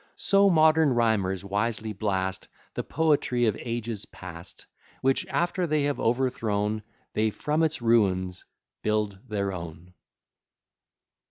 So modern rhymers wisely blast The poetry of ages past; Which, after they have overthrown, They from its ruins build their own."